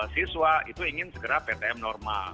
siswa itu ingin segera ptm normal